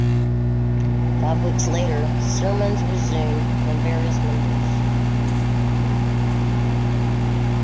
Five weeks later, sermons resumed from various members.